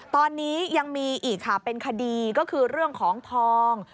ตอนนี้ยังมีอีกค่ะเป็นคดีก็คือเรื่องของทอง